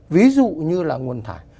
ví dụ như là nguồn thải